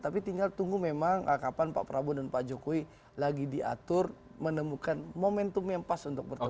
tapi tinggal tunggu memang kapan pak prabowo dan pak jokowi lagi diatur menemukan momentum yang pas untuk bertemu